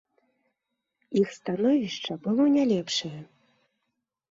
Іх становішча было не лепшае.